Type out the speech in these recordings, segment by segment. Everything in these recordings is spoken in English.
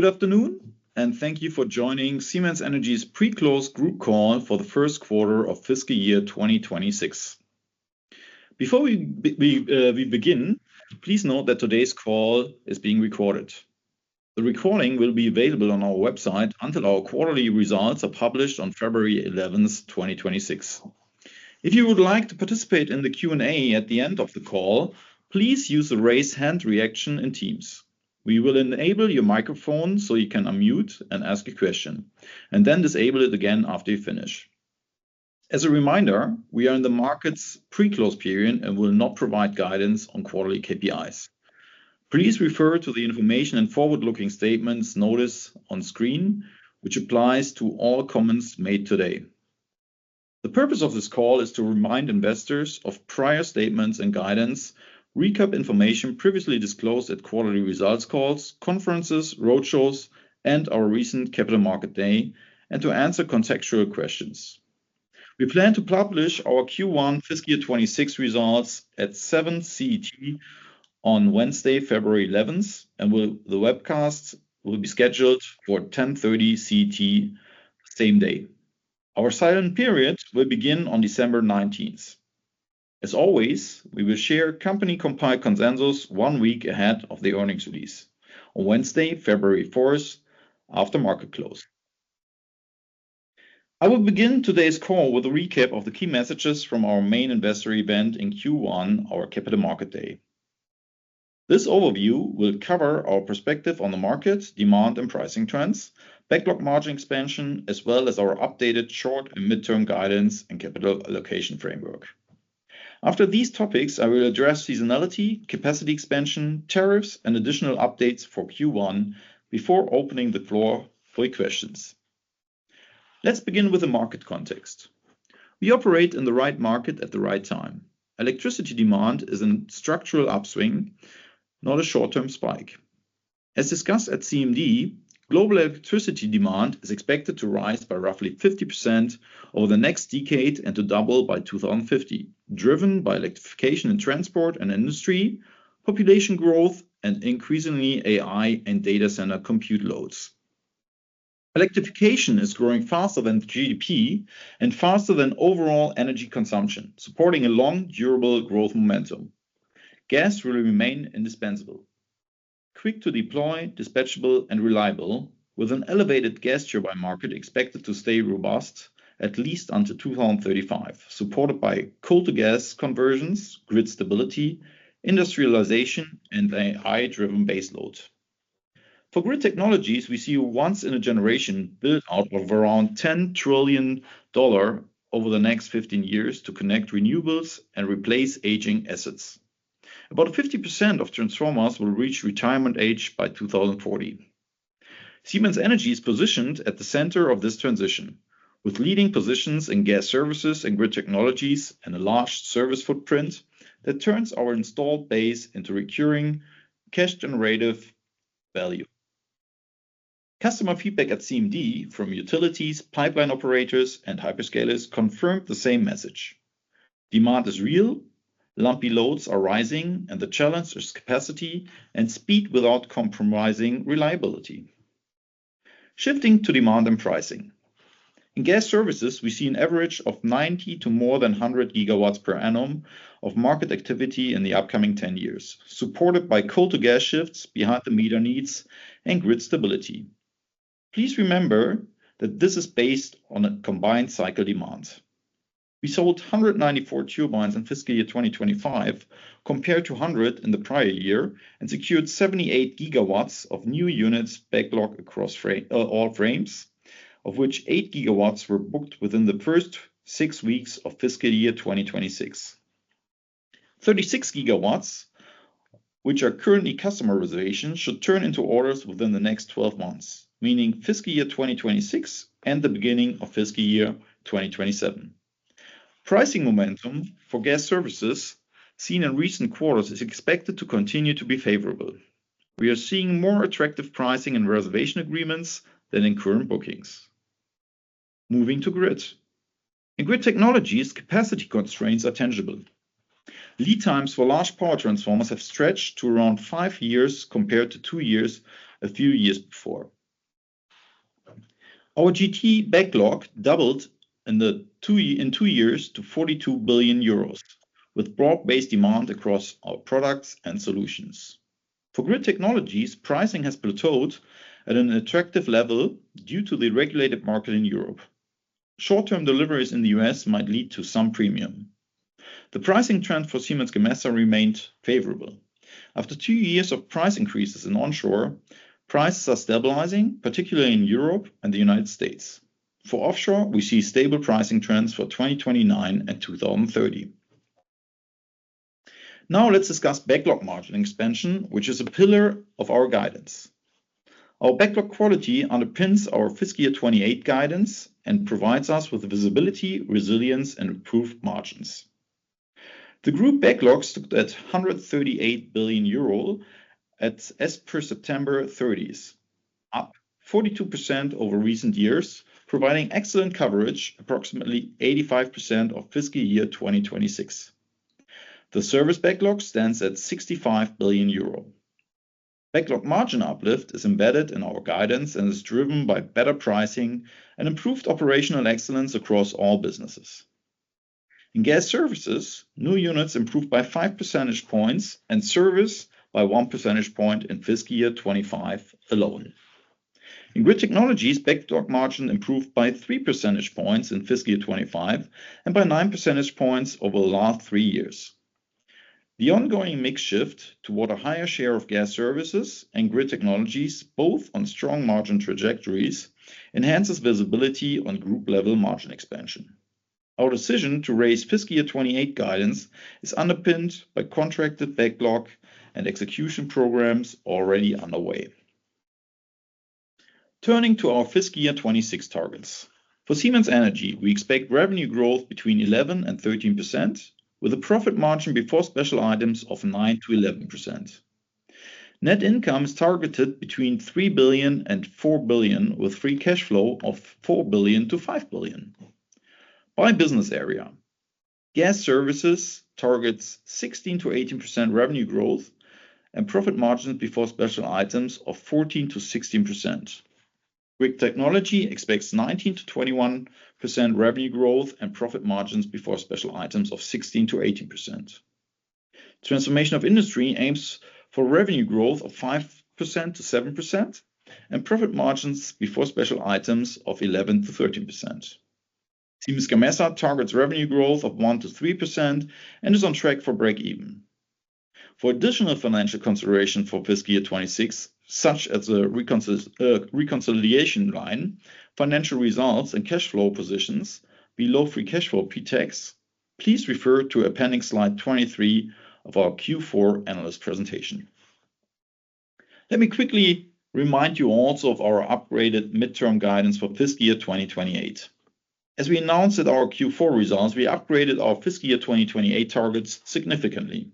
Good afternoon and thank you for joining Siemens Energy's pre-close group call for the first quarter of fiscal year 2026. Before we begin, please note that today's call is being recorded. The recording will be available on our website until our quarterly results are published on February 11th, 2026. If you would like to participate in the Q&A at the end of the call, please use the raise hand reaction in Teams. We will enable your microphone so you can unmute and ask a question, and then disable it again after you finish. As a reminder, we are in the market's pre-close period and will not provide guidance on quarterly KPIs. Please refer to the information and forward-looking statements notice on screen, which applies to all comments made today. The purpose of this call is to remind investors of prior statements and guidance, recap information previously disclosed at quarterly results calls, conferences, roadshows, and our recent Capital Market Day, and to answer contextual questions. We plan to publish our Q1 fiscal year 2026 results at 7:00 CET on Wednesday, February 11th, and the webcast will be scheduled for 10:30 CET same day. Our silent period will begin on December 19th. As always, we will share company-compiled consensus one week ahead of the earnings release on Wednesday, February 4th, after market close. I will begin today's call with a recap of the key messages from our main investor event in Q1, our Capital Market Day. This overview will cover our perspective on the market, demand, and pricing trends, backlog margin expansion, as well as our updated short and mid-term guidance and capital allocation framework. After these topics, I will address seasonality, capacity expansion, tariffs, and additional updates for Q1 before opening the floor for your questions. Let's begin with the market context. We operate in the right market at the right time. Electricity demand is in structural upswing, not a short-term spike. As discussed at CMD, global electricity demand is expected to rise by roughly 50% over the next decade and to double by 2050, driven by electrification in transport and industry, population growth, and increasingly AI and data center compute loads. Electrification is growing faster than GDP and faster than overall energy consumption, supporting a long, durable growth momentum. Gas will remain indispensable, quick to deploy, dispatchable, and reliable, with an elevated gas turbine market expected to stay robust at least until 2035, supported by coal-to-gas conversions, grid stability, industrialization, and AI-driven baseload. For Grid Technologies, we see once-in-a-generation buildout of around $10 trillion over the next 15 years to connect renewables and replace aging assets. About 50% of transformers will reach retirement age by 2040. Siemens Energy is positioned at the center of this transition, with leading positions in Gas Services and Grid Technologies and a large service footprint that turns our installed base into recurring cash generative value. Customer feedback at CMD from utilities, pipeline operators, and hyperscalers confirmed the same message: demand is real, lumpy loads are rising, and the challenge is capacity and speed without compromising reliability. Shifting to demand and pricing in Gas Services, we see an average of 90 to more than 100 GW per annum of market activity in the upcoming 10 years, supported by coal-to-gas shifts behind the meter needs and grid stability. Please remember that this is based on a combined cycle demand. We sold 194 turbines in fiscal year 2025, compared to 100 in the prior year, and secured 78 GW of new units backlog across all frames, of which 8 GW were booked within the first six weeks of fiscal year 2026. 36 GW, which are currently customer reservations, should turn into orders within the next 12 months, meaning fiscal year 2026 and the beginning of fiscal year 2027. Pricing momentum for Gas Services seen in recent quarters is expected to continue to be favorable. We are seeing more attractive pricing and reservation agreements than in current bookings. Moving to Grid. In Grid Technologies, capacity constraints are tangible. Lead times for large power transformers have stretched to around five years compared to two years a few years before. Our GT backlog doubled in two years to 42 billion euros, with broad-based demand across our products and solutions. For Grid Technologies, pricing has plateaued at an attractive level due to the regulated market in Europe. Short-term deliveries in the U.S. might lead to some premium. The pricing trend for Siemens Gamesa remained favorable. After two years of price increases in onshore, prices are stabilizing, particularly in Europe and the United States. For offshore, we see stable pricing trends for 2029 and 2030. Now let's discuss backlog margin expansion, which is a pillar of our guidance. Our backlog quality underpins our fiscal year 2028 guidance and provides us with visibility, resilience, and improved margins. The group backlog stood at 138 billion euro as per September 30th, up 42% over recent years, providing excellent coverage, approximately 85% of fiscal year 2026. The service backlog stands at 65 billion euro. Backlog margin uplift is embedded in our guidance and is driven by better pricing and improved operational excellence across all businesses. In Gas Services, new units improved by 5 percentage points and service by 1 percentage point in fiscal year 2025 alone. In Grid Technologies, backlog margin improved by 3 percentage points in fiscal year 2025 and by 9 percentage points over the last three years. The ongoing mix shift toward a higher share of Gas Services and Grid Technologies, both on strong margin trajectories, enhances visibility on group-level margin expansion. Our decision to raise fiscal year 2028 guidance is underpinned by contracted backlog and execution programs already underway. Turning to our fiscal year 2026 targets. For Siemens Energy, we expect revenue growth between 11% and 13%, with a profit margin before special items of 9%-11%. Net income is targeted between 3 billion and 4 billion, with free cash flow of 4 billion-5 billion. By business area, Gas Services targets 16%-18% revenue growth and profit margins before special items of 14%-16%. Grid technology expects 19%-21% revenue growth and profit margins before special items of 16%-18%. Transformation of industry aims for revenue growth of 5%-7% and profit margins before special items of 11%-13%. Siemens Gamesa targets revenue growth of 1%-3% and is on track for break-even. For additional financial consideration for fiscal year 2026, such as the reconciliation line, financial results, and cash flow positions below free cash flow pre-tax, please refer to appending slide 23 of our Q4 analyst presentation. Let me quickly remind you also of our upgraded mid-term guidance for fiscal year 2028. As we announced at our Q4 results, we upgraded our fiscal year 2028 targets significantly.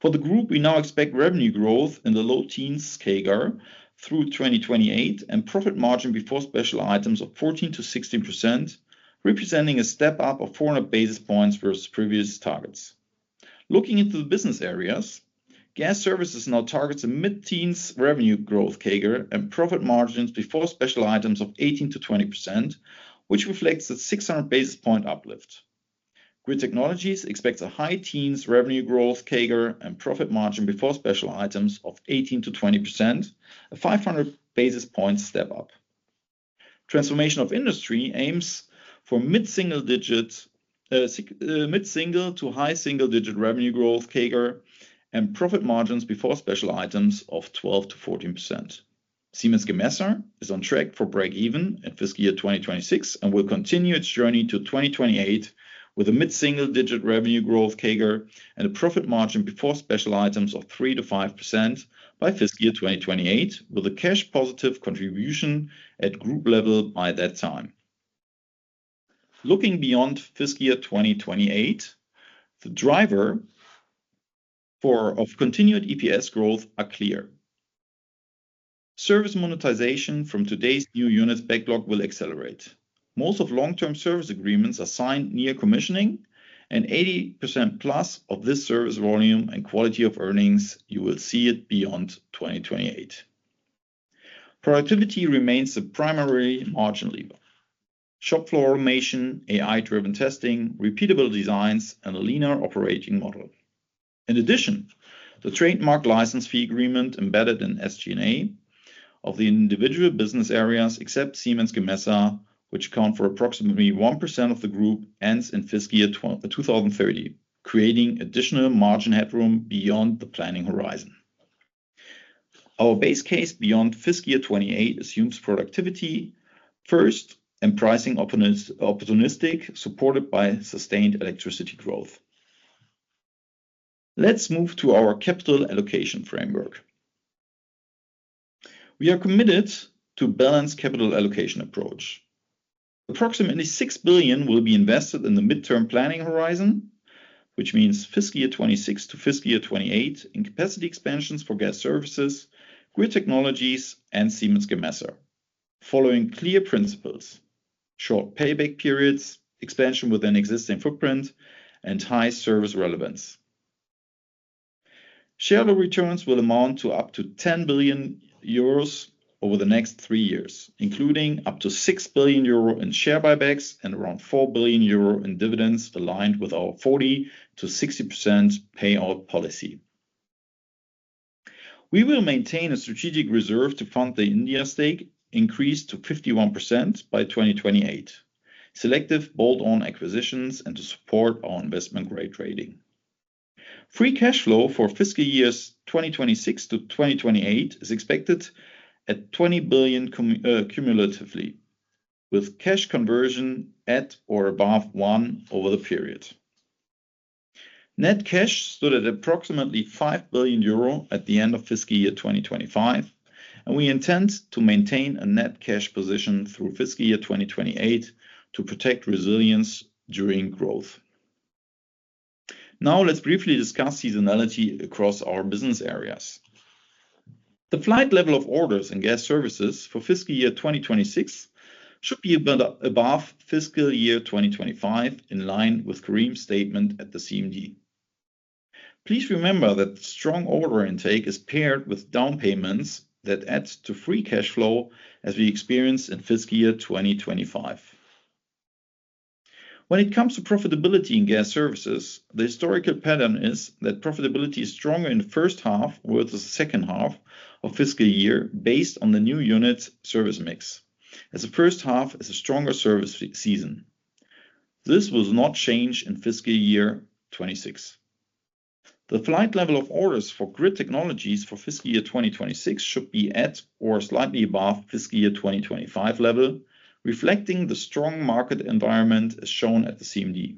For the group, we now expect revenue growth in the low teens CAGR through 2028 and profit margin before special items of 14%-16%, representing a step up of 400 basis points versus previous targets. Looking into the business areas, Gas Services now targets a mid-teens revenue growth CAGR and profit margins before special items of 18%-20%, which reflects a 600 basis point uplift. Grid Technologies expect a high teens revenue growth CAGR and profit margin before special items of 18%-20%, a 500 basis point step up. Transformation of Industry aims for mid-single-digit to high single-digit revenue growth CAGR and profit margins before special items of 12%-14%. Siemens Gamesa is on track for break-even at fiscal year 2026 and will continue its journey to 2028 with a mid-single digit revenue growth CAGR and a profit margin before special items of 3%-5% by fiscal year 2028, with a cash-positive contribution at group level by that time. Looking beyond fiscal year 2028, the driver for continued EPS growth is clear. Service monetization from today's new units backlog will accelerate. Most of long-term service agreements are signed near commissioning, and 80%+ of this service volume and quality of earnings you will see beyond 2028. Productivity remains the primary margin lever: shop floor automation, AI-driven testing, repeatable designs, and a leaner operating model. In addition, the trademark license fee agreement embedded in SG&A of the individual business areas, except Siemens Gamesa, which account for approximately 1% of the group, ends in fiscal year 2030, creating additional margin headroom beyond the planning horizon. Our base case beyond fiscal year 2028 assumes productivity first and pricing opportunistic supported by sustained electricity growth. Let's move to our capital allocation framework. We are committed to a balanced capital allocation approach. Approximately 6 billion will be invested in the mid-term planning horizon, which means fiscal year 2026 to fiscal year 2028 in capacity expansions for Gas Services, Grid Technologies, and Siemens Gamesa, following clear principles: short payback periods, expansion with an existing footprint, and high service relevance. Shareholder returns will amount to up to 10 billion euros over the next three years, including up to 6 billion euro in share buybacks and around 4 billion euro in dividends aligned with our 40%-60% payout policy. We will maintain a strategic reserve to fund the India stake increased to 51% by 2028, selective bolt-on acquisitions, and to support our investment grade rating. Free cash flow for fiscal years 2026 to 2028 is expected at 20 billion cumulatively, with cash conversion at or above one over the period. Net cash stood at approximately 5 billion euro at the end of fiscal year 2025, and we intend to maintain a net cash position through fiscal year 2028 to protect resilience during growth. Now let's briefly discuss seasonality across our business areas. The flight level of orders in Gas Services for fiscal year 2026 should be above fiscal year 2025, in line with Karim's statement at the CMD. Please remember that strong order intake is paired with down payments that add to free cash flow as we experience in fiscal year 2025. When it comes to profitability in Gas Services, the historical pattern is that profitability is stronger in the first half versus the second half of fiscal year based on the new unit service mix, as the first half is a stronger service season. This was not changed in fiscal year 2026. The flight level of orders for Grid Technologies for fiscal year 2026 should be at or slightly above fiscal year 2025 level, reflecting the strong market environment as shown at the CMD.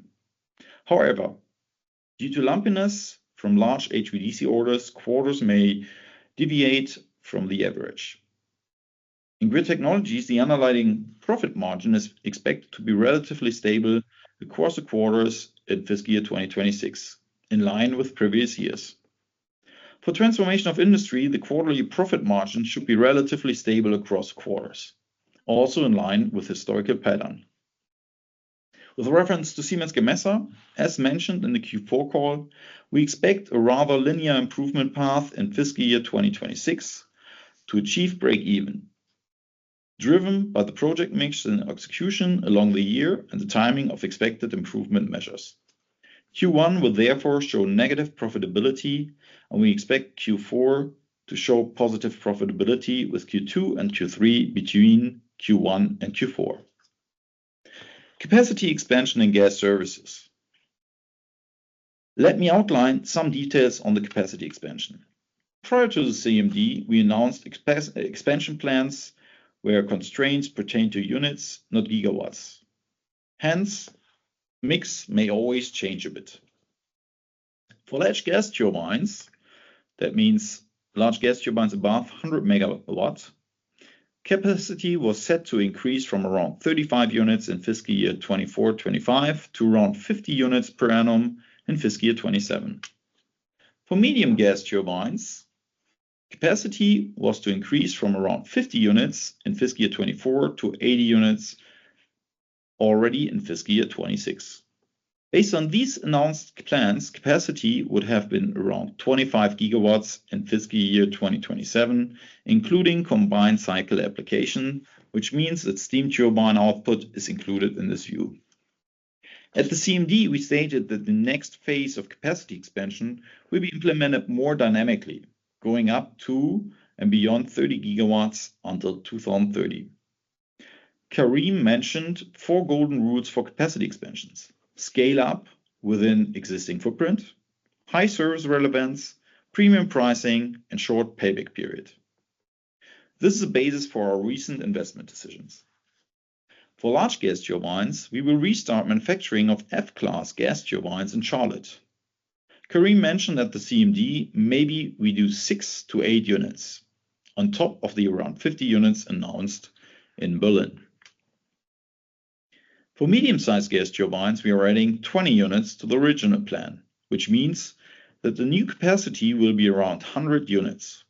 However, due to lumpiness from large HVDC orders, quarters may deviate from the average. In Grid Technologies, the underlying profit margin is expected to be relatively stable across the quarters in fiscal year 2026, in line with previous years. For transformation of industry, the quarterly profit margin should be relatively stable across quarters, also in line with historical pattern. With reference to Siemens Gamesa, as mentioned in the Q4 call, we expect a rather linear improvement path in fiscal year 2026 to achieve break-even, driven by the project mix and execution along the year and the timing of expected improvement measures. Q1 will therefore show negative profitability, and we expect Q4 to show positive profitability with Q2 and Q3 between Q1 and Q4. Capacity expansion in Gas Services. Let me outline some details on the capacity expansion. Prior to the CMD, we announced expansion plans where constraints pertained to units, not gigawatts. Hence, the mix may always change a bit. For large gas turbines, that means large gas turbines above 100 MW capacity, was set to increase from around 35 units in fiscal year 2024-25 to around 50 units per annum in fiscal year 2027. For medium gas turbines, capacity was to increase from around 50 units in fiscal year 2024 to 80 units already in fiscal year 2026. Based on these announced plans, capacity would have been around 25 GW in fiscal year 2027, including combined cycle application, which means that steam turbine output is included in this view. At the CMD, we stated that the next phase of capacity expansion will be implemented more dynamically, going up to and beyond 30 GW until 2030. Karim mentioned four golden rules for capacity expansions: scale up within existing footprint, high service relevance, premium pricing, and short payback period. This is a basis for our recent investment decisions. For large gas turbines, we will restart manufacturing of F-class gas turbines in Charlotte. Karim mentioned at the CMD maybe we do 6 units-8 units on top of the around 50 units announced in Berlin. For medium-sized gas turbines, we are adding 20 units to the original plan, which means that the new capacity will be around 100 units.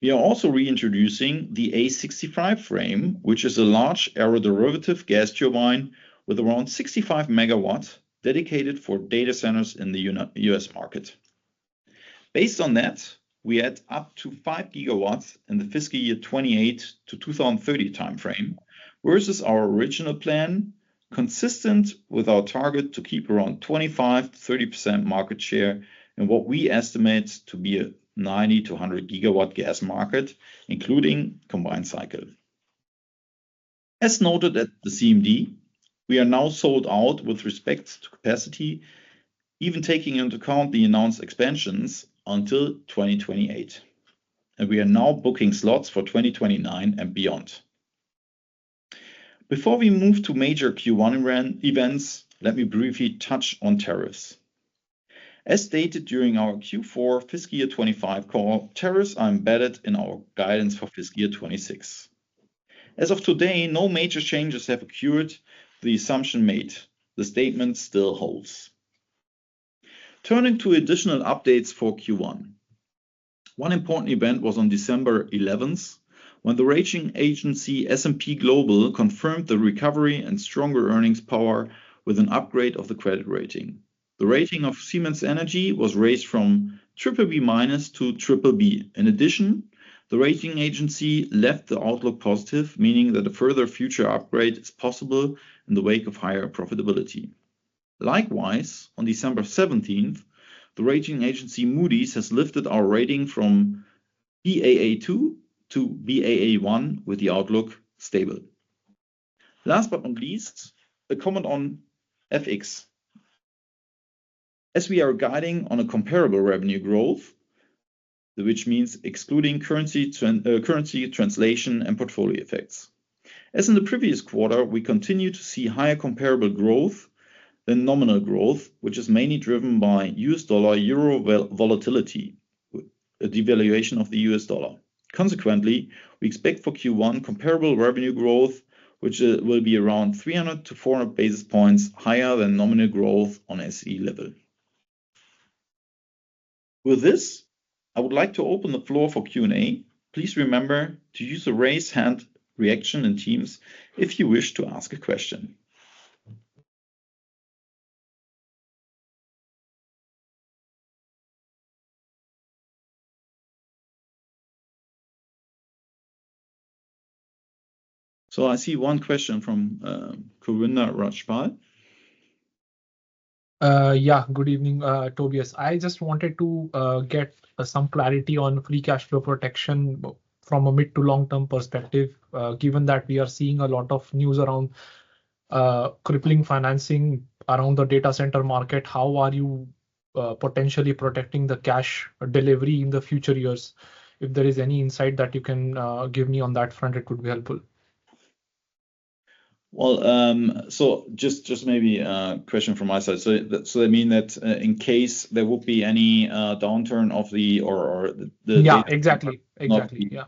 We are also reintroducing the SGT-A65, which is a large aeroderivative gas turbine with around 65 MW dedicated for data centers in the U.S. market. Based on that, we add up to 5 GW in the fiscal year 2028-2030 timeframe versus our original plan, consistent with our target to keep around 25%-30% market share in what we estimate to be a 90 GW-100 GW gas market, including combined cycle. As noted at the CMD, we are now sold out with respect to capacity, even taking into account the announced expansions until 2028, and we are now booking slots for 2029 and beyond. Before we move to major Q1 events, let me briefly touch on tariffs. As stated during our Q4 fiscal year 2025 call, tariffs are embedded in our guidance for fiscal year 2026. As of today, no major changes have occurred. The assumption made, the statement still holds. Turning to additional updates for Q1, one important event was on December 11th when the ratings agency S&P Global Ratings confirmed the recovery and stronger earnings power with an upgrade of the credit rating. The rating of Siemens Energy was raised from BBB- to BBB. In addition, the rating agency left the outlook positive, meaning that a further future upgrade is possible in the wake of higher profitability. Likewise, on December 17th, the rating agency Moody's has lifted our rating from Baa2 to Baa1, with the outlook stable. Last but not least, a comment on FX. As we are guiding on a comparable revenue growth, which means excluding currency translation and portfolio effects. As in the previous quarter, we continue to see higher comparable growth than nominal growth, which is mainly driven by U.S. dollar/euro volatility, a devaluation of the U.S. dollar. Consequently, we expect for Q1 comparable revenue growth, which will be around 300 basis points-400 basis points higher than nominal growth on SE level. With this, I would like to open the floor for Q&A. Please remember to use a raise hand reaction in Teams if you wish to ask a question. So I see one question from Kulwinder Rajpal. Yeah, good evening, Tobias. I just wanted to get some clarity on free cash flow protection from a mid- to long-term perspective, given that we are seeing a lot of news around crippling financing around the data center market. How are you potentially protecting the cash delivery in the future years? If there is any insight that you can give me on that front, it would be helpful. Well, so just maybe a question from my side. So that means that in case there would be any downturn of the or the data. Yeah, exactly. Exactly. Yeah.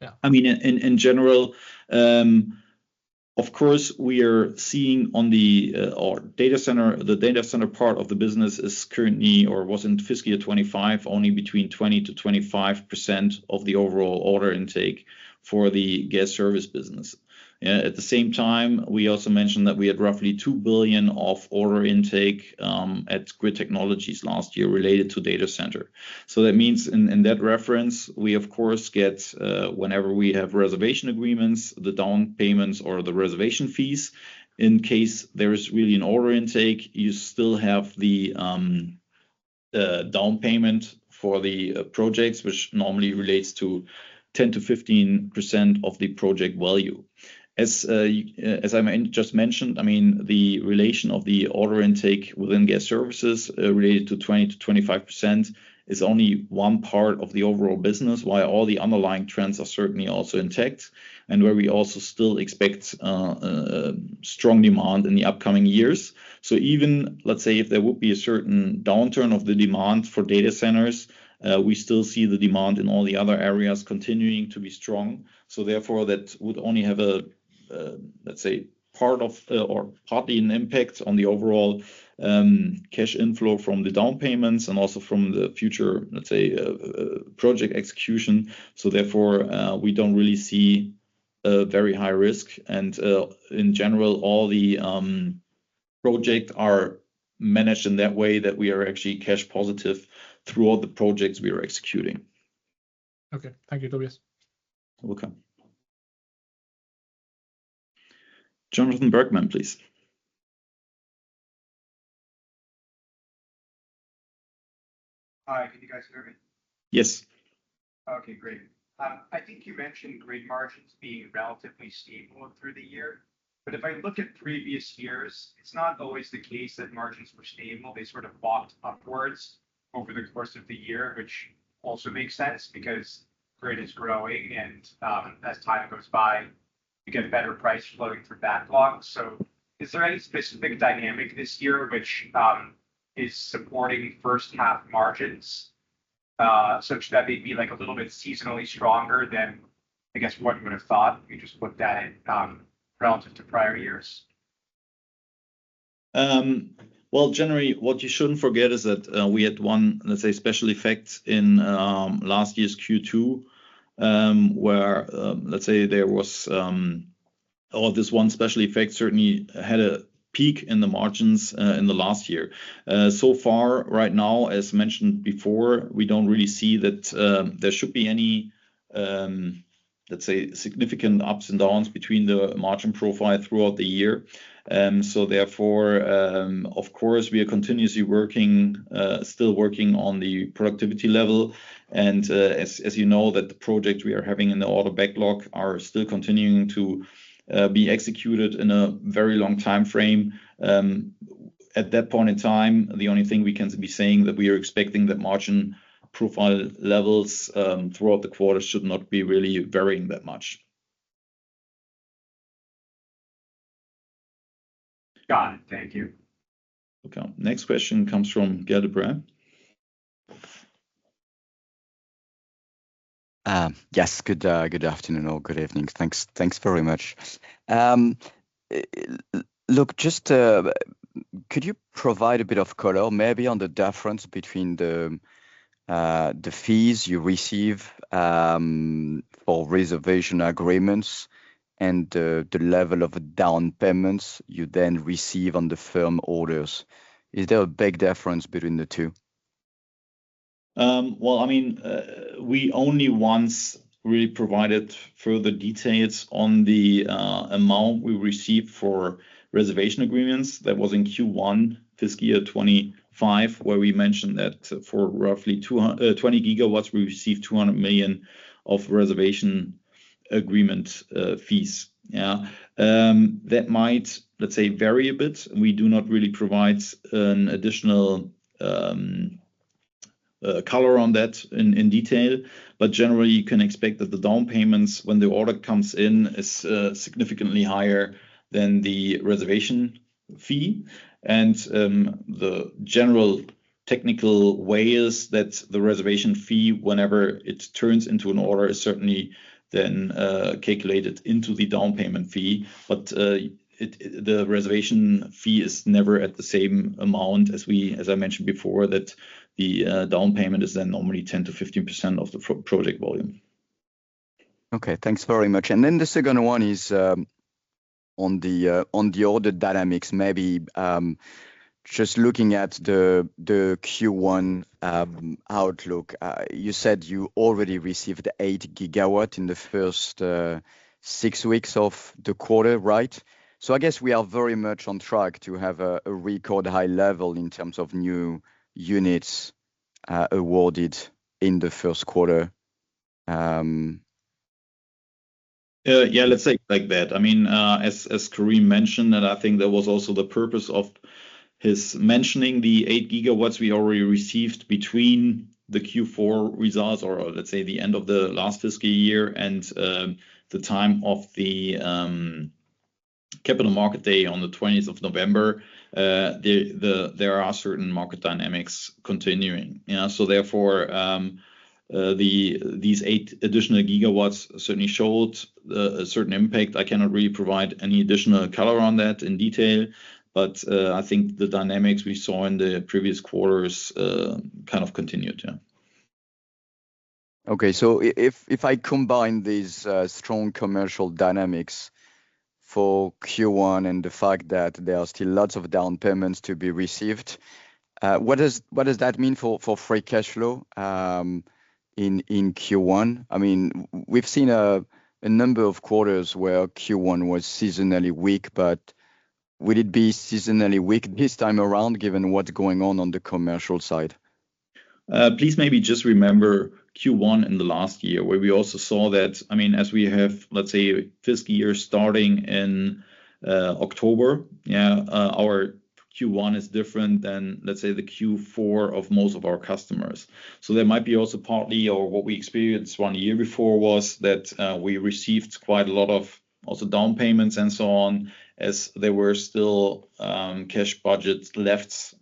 Yeah. I mean, in general, of course, we are seeing on the data center, the data center part of the business is currently or was in fiscal year 2025 only between 20%-25% of the overall order intake for the gas service business. At the same time, we also mentioned that we had roughly 2 billion of order intake at Grid Technologies last year related to data center. So that means in that reference, we, of course, get whenever we have reservation agreements, the down payments or the reservation fees, in case there is really an order intake, you still have the down payment for the projects, which normally relates to 10%-15% of the project value. As I just mentioned, I mean, the relation of the order intake within Gas Services related to 20%-25% is only one part of the overall business, while all the underlying trends are certainly also intact and where we also still expect strong demand in the upcoming years. So even, let's say, if there would be a certain downturn of the demand for data centers, we still see the demand in all the other areas continuing to be strong. So therefore, that would only have a, let's say, part of or partly an impact on the overall cash inflow from the down payments and also from the future, let's say, project execution. So therefore, we don't really see a very high risk. And in general, all the projects are managed in that way that we are actually cash positive throughout the projects we are executing. Okay. Thank you, Tobias. You're welcome. Jonathan Bergman, please. Hi. Can you guys hear me? Yes. Okay. Great. I think you mentioned grid margins being relatively stable through the year. But if I look at previous years, it's not always the case that margins were stable. They sort of walked upwards over the course of the year, which also makes sense because grid is growing, and as time goes by, you get better price flowing from backlog. So is there any specific dynamic this year which is supporting first-half margins such that they'd be like a little bit seasonally stronger than, I guess, one would have thought if you just looked at it relative to prior years? Well, generally, what you shouldn't forget is that we had one, let's say, special effect in last year's Q2 where, let's say, there was all this one special effect certainly had a peak in the margins in the last year. So far, right now, as mentioned before, we don't really see that there should be any, let's say, significant ups and downs between the margin profile throughout the year. Therefore, of course, we are continuously working, still working on the productivity level. And as you know, that the projects we are having in the order backlog are still continuing to be executed in a very long timeframe. At that point in time, the only thing we can be saying that we are expecting that margin profile levels throughout the quarter should not be really varying that much. Got it. Thank you. Okay. Next question comes from Gael de Bray. Yes. Good afternoon or good evening. Thanks very much. Look, just could you provide a bit of color maybe on the difference between the fees you receive for reservation agreements and the level of down payments you then receive on the firm orders? Is there a big difference between the two? Well, I mean, we only once really provided further details on the amount we receive for reservation agreements. That was in Q1 fiscal year 2025 where we mentioned that for roughly 20 GW, we receive 200 million of reservation agreement fees. Yeah. That might, let's say, vary a bit. We do not really provide an additional color on that in detail. But generally, you can expect that the down payments when the order comes in is significantly higher than the reservation fee. And the general technical way is that the reservation fee, whenever it turns into an order, is certainly then calculated into the down payment fee. But the reservation fee is never at the same amount as we, as I mentioned before, that the down payment is then normally 10%-15% of the project volume. Okay. Thanks very much. And then the second one is on the order dynamics. Maybe just looking at the Q1 outlook, you said you already received 8 GW in the first six weeks of the quarter, right? So I guess we are very much on track to have a record high level in terms of new units awarded in the first quarter. Yeah, let's say like that. I mean, as Karim mentioned, and I think there was also the purpose of his mentioning the 8 GW we already received between the Q4 results or, let's say, the end of the last fiscal year and the time of the Capital Market Day on the 20th of November, there are certain market dynamics continuing. Yeah. So therefore, these 8 additional GW certainly showed a certain impact. I cannot really provide any additional color on that in detail, but I think the dynamics we saw in the previous quarters kind of continued. Yeah. Okay. So if I combine these strong commercial dynamics for Q1 and the fact that there are still lots of down payments to be received, what does that mean for free cash flow in Q1? I mean, we've seen a number of quarters where Q1 was seasonally weak, but will it be seasonally weak this time around given what's going on on the commercial side? Please maybe just remember Q1 in the last year where we also saw that, I mean, as we have, let's say, fiscal year starting in October, yeah, our Q1 is different than, let's say, the Q4 of most of our customers. So there might be also partly or what we experienced one year before was that we received quite a lot of also down payments and so on as there were still cash budget lefts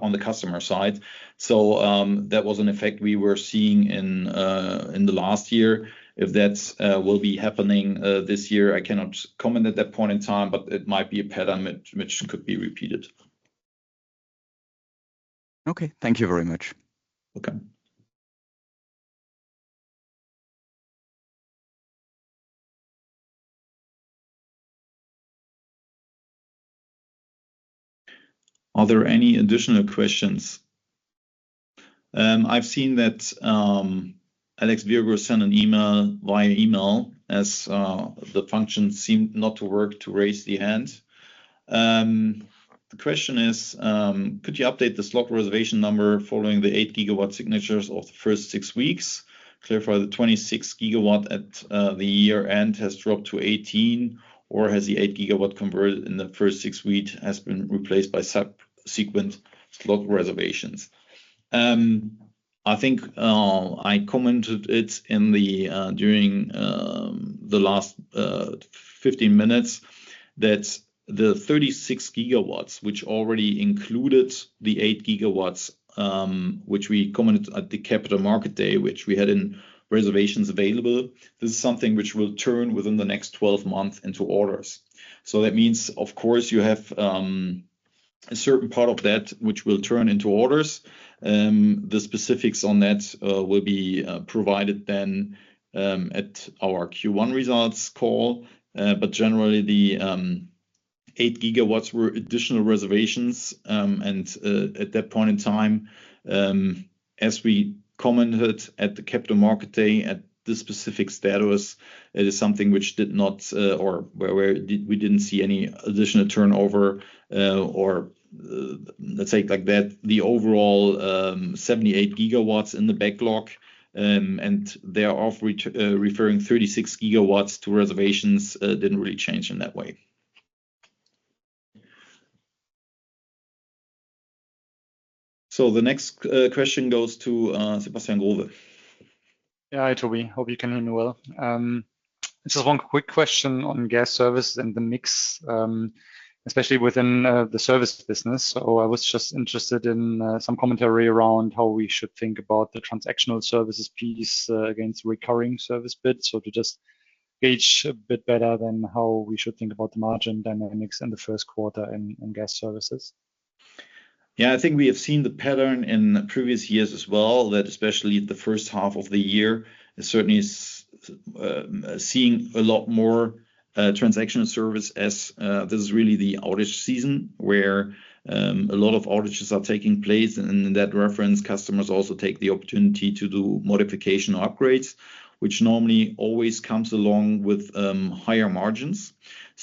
on the customer side. So that was an effect we were seeing in the last year. If that will be happening this year, I cannot comment at that point in time, but it might be a pattern which could be repeated. Okay. Thank you very much. You're welcome. Are there any additional questions? I've seen that Alex Virgo sent an email via email as the function seemed not to work to raise the hand. The question is, could you update the slot reservation number following the 8 GW signatures of the first six weeks? Clarify, the 26 GW at the year end has dropped to 18 GW, or has the 8 GW converted in the first six weeks has been replaced by subsequent slot reservations? I think I commented it during the last 15 minutes that the 36 GW, which already included the eight gigawatts, which we commented at the Capital Market Day, which we had in reservations available, this is something which will turn within the next 12 months into orders. So that means, of course, you have a certain part of that which will turn into orders. The specifics on that will be provided then at our Q1 results call. But generally, the 8 GW were additional reservations. And at that point in time, as we commented at the Capital Market Day at this specific status, it is something which did not or where we didn't see any additional turnover or let's say like that, the overall 78 GW in the backlog and thereof referring 36 GW to reservations didn't really change in that way. So the next question goes to Sebastian Growe. Yeah, hi Toby. Hope you can hear me well. It's just one quick question on Gas Services and the mix, especially within the service business. So I was just interested in some commentary around how we should think about the transactional services piece against recurring service bids. So to just gauge a bit better than how we should think about the margin dynamics in the first quarter in Gas Services. Yeah, I think we have seen the pattern in previous years as well that especially the first half of the year certainly is seeing a lot more transactional service as this is really the outage season where a lot of outages are taking place. And in that reference, customers also take the opportunity to do modification or upgrades, which normally always comes along with higher margins.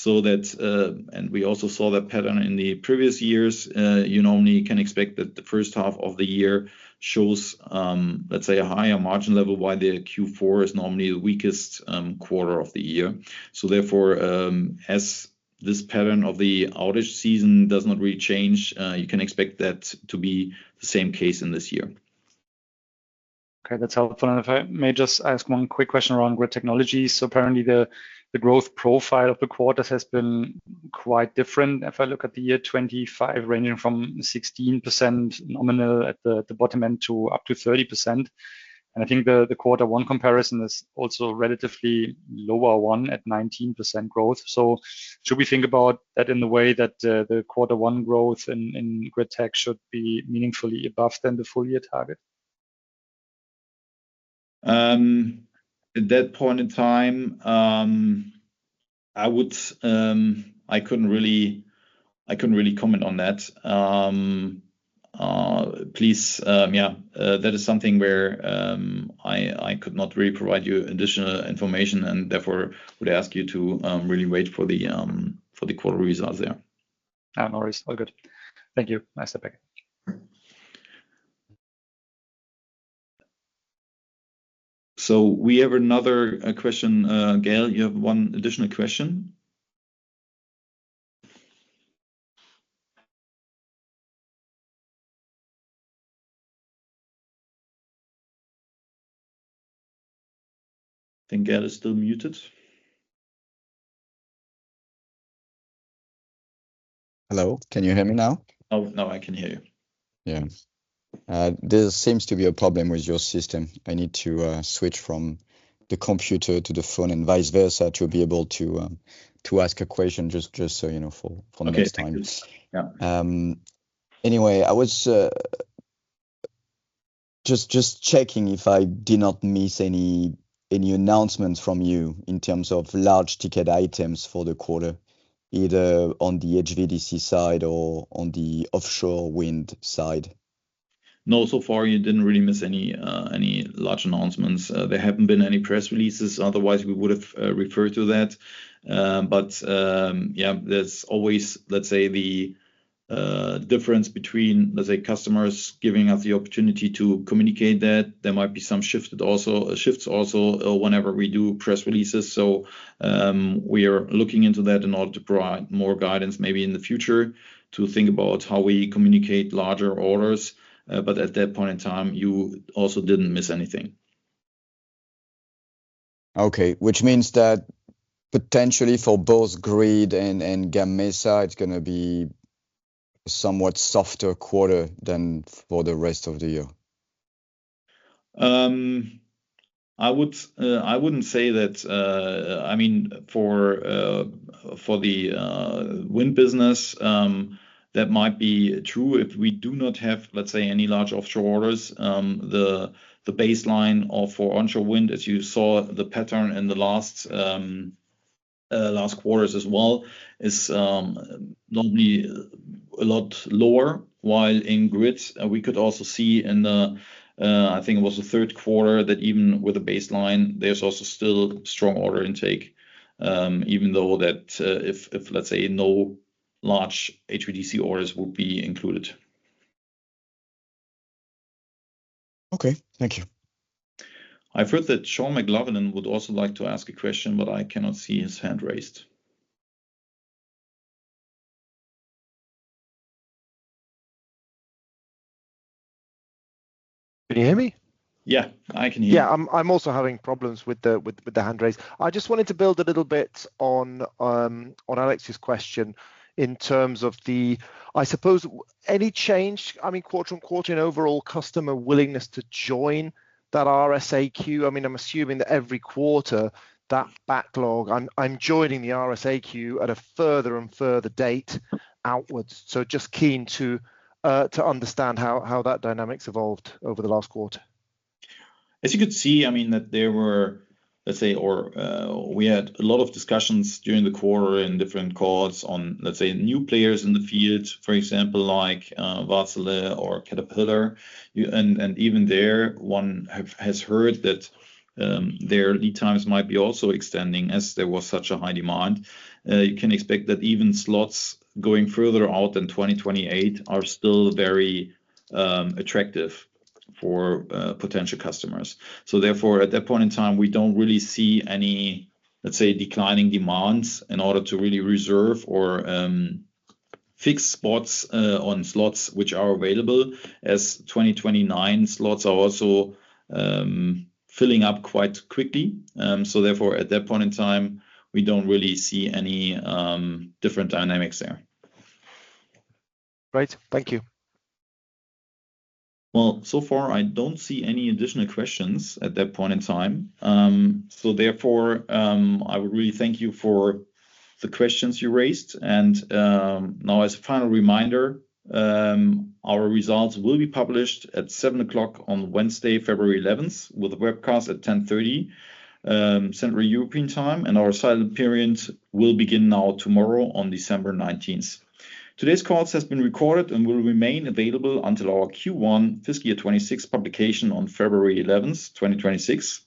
And we also saw that pattern in the previous years. You normally can expect that the first half of the year shows, let's say, a higher margin level while the Q4 is normally the weakest quarter of the year. So therefore, as this pattern of the outage season does not really change, you can expect that to be the same case in this year. Okay. That's helpful. And if I may just ask one quick question around Grid Technologies. So apparently, the growth profile of the quarters has been quite different. If I look at the year 2025, ranging from 16% nominal at the bottom end to up to 30%. And I think the quarter one comparison is also relatively lower one at 19% growth. So should we think about that in the way that the quarter one growth in Grid Tech should be meaningfully above than the full year target? At that point in time, I couldn't really comment on that. Please, yeah, that is something where I could not really provide you additional information. And therefore, would I ask you to really wait for the quarterly results there? No worries. All good. Thank you. Nice to be back. So we have another question. Gael, you have one additional question. I think Gael is still muted. Hello. Can you hear me now? Oh, no, I can hear you. Yeah. There seems to be a problem with your system. I need to switch from the computer to the phone and vice versa to be able to ask a question just so for the next time. Anyway, I was just checking if I did not miss any announcements from you in terms of large ticket items for the quarter, either on the HVDC side or on the offshore wind side. No, so far you didn't really miss any large announcements. There haven't been any press releases. Otherwise, we would have referred to that. But yeah, there's always, let's say, the difference between, let's say, customers giving us the opportunity to communicate that. There might be some shifts also whenever we do press releases. So we are looking into that in order to provide more guidance maybe in the future to think about how we communicate larger orders. But at that point in time, you also didn't miss anything. Okay. Which means that potentially for both Grid and Gamesa, it's going to be a somewhat softer quarter than for the rest of the year. I wouldn't say that. I mean, for the wind business, that might be true. If we do not have, let's say, any large offshore orders, the baseline for onshore wind, as you saw the pattern in the last quarters as well, is normally a lot lower. While in Grid, we could also see in the, I think it was the third quarter that even with a baseline, there's also still strong order intake, even though that if, let's say, no large HVDC orders would be included. Okay. Thank you. I heard that Sean McLoughlin would also like to ask a question, but I cannot see his hand raised. Can you hear me? Yeah, I can hear you. Yeah, I'm also having problems with the hand raised. I just wanted to build a little bit on Alex's question in terms of the, I suppose, any change, I mean, quarter-on-quarter in overall customer willingness to join that RSA queue. I mean, I'm assuming that every quarter that backlog, I'm joining the RSA queue at a further and further date outwards. So just keen to understand how that dynamics evolved over the last quarter. As you could see, I mean, that there were, let's say, or we had a lot of discussions during the quarter in different calls on, let's say, new players in the field, for example, like Wärtsilä or Caterpillar. And even there, one has heard that their lead times might be also extending as there was such a high demand. You can expect that even slots going further out than 2028 are still very attractive for potential customers. So therefore, at that point in time, we don't really see any, let's say, declining demands in order to really reserve or fix spots on slots which are available as 2029 slots are also filling up quite quickly. So therefore, at that point in time, we don't really see any different dynamics there. Great. Thank you. Well, so far, I don't see any additional questions at that point in time. So therefore, I would really thank you for the questions you raised. And now, as a final reminder, our results will be published at 7:00 on Wednesday, February 11th, with a webcast at 10:30 Central European Time. And our silent period will begin now tomorrow on December 19th. Today's call has been recorded and will remain available until our Q1 fiscal year 2026 publication on February 11th, 2026.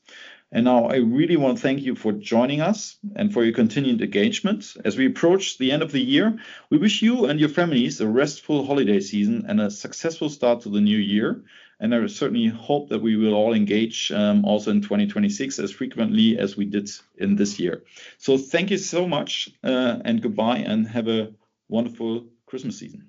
And now, I really want to thank you for joining us and for your continued engagement. As we approach the end of the year, we wish you and your families a restful holiday season and a successful start to the new year. I certainly hope that we will all engage also in 2026 as frequently as we did in this year. Thank you so much and goodbye, and have a wonderful Christmas season.